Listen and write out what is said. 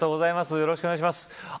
よろしくお願いします